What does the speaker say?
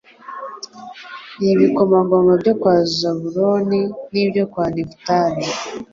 n’ibikomangoma byo kwa Zabuloni n’ibyo kwa Nefutali